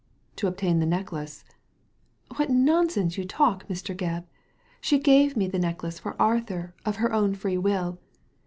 "To obtain the necklace. * What nonsense you talk, Mr. Gebb. She gave me the necklace for Arthur, of her own free will.